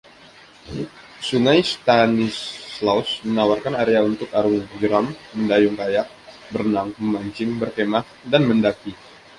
Sungai Stanislaus menawarkan area untuk arung jeram, mendayung kayak, berenang, memancing, berkemah, dan mendaki.